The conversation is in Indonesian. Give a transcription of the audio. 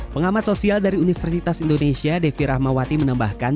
pengamat sosial dari universitas indonesia devi rahmawati menambahkan